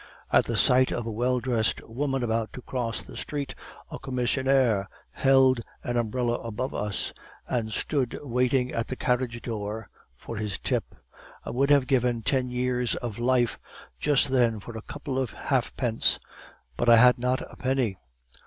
At the sight of a well dressed woman about to cross the street, a commissionaire held an umbrella above us, and stood waiting at the carriage door for his tip. I would have given ten years of life just then for a couple of halfpence, but I had not a penny.